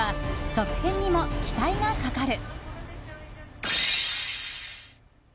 続編にも期待がかかる。